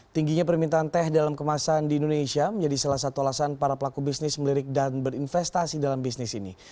tingginya permintaan teh dalam kemasan di indonesia menjadi salah satu alasan para pelaku bisnis melirik dan berinvestasi dalam bisnis ini